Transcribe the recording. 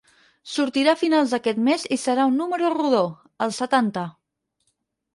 Sortirà a finals d'aquest mes i serà un número rodó: el setanta.